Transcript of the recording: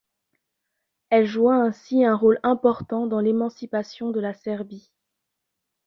Elle joua ainsi un rôle important dans l’émancipation de la Serbie.